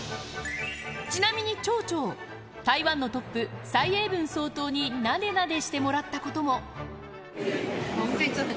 ちなみにチョウチョウ、台湾のトップ、蔡英文総統に、なでなでしてもらったことも。